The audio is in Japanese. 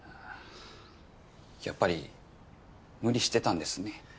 やっぱり無理してたんですね。